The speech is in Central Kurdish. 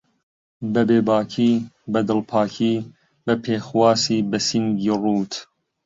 بەبێ باکی، بەدڵپاکی، بەپێخواسی بەسینگی ڕووت